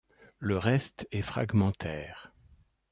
Le reste est fragmentaire.